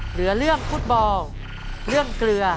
เหลือเรื่องฟุตบอลเรื่องเกลือ